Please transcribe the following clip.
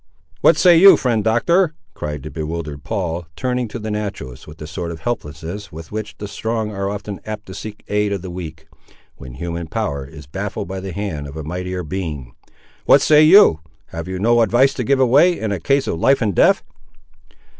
"What say you, friend Doctor," cried the bewildered Paul, turning to the naturalist with that sort of helplessness with which the strong are often apt to seek aid of the weak, when human power is baffled by the hand of a mightier being, "what say you; have you no advice to give away, in a case of life and death?"